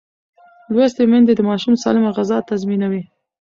لوستې میندې د ماشوم سالمه غذا تضمینوي.